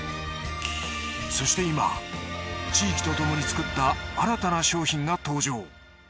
そして今地域とともに作った新たな商品が登場。